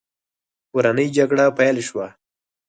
کورنۍ جګړه پیل شوه.